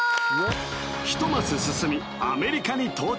１マス進みアメリカに到着・